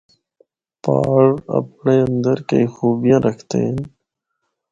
پہاڑ اپنڑے اندر کئی خوبیاں رکھدے ہن۔